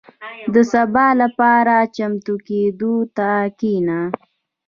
• د سبا لپاره چمتو کېدو ته کښېنه.